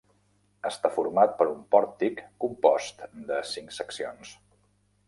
Està format per un pòrtic compost de cinc seccions.